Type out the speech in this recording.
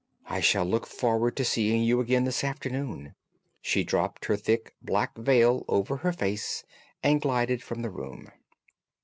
I shall look forward to seeing you again this afternoon." She dropped her thick black veil over her face and glided from the room.